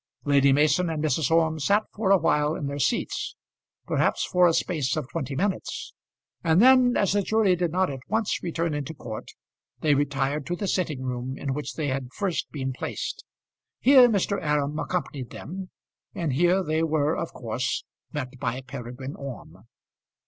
Lady Mason and Mrs. Orme sat for a while in their seats perhaps for a space of twenty minutes and then, as the jury did not at once return into court, they retired to the sitting room in which they had first been placed. Here Mr. Aram accompanied them, and here they were of course met by Peregrine Orme.